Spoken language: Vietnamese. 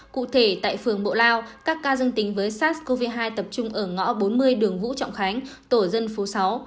cụ thể tại phường bộ lao các ca dương tính với sars cov hai tập trung ở ngõ bốn mươi đường vũ trọng khánh tổ dân phố sáu